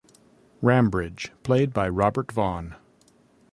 Rambridge, played by Robert Vaughn.